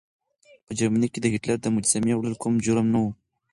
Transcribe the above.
په جرمني کې د هېټلر د مجسمې وړل کوم جرم نه و.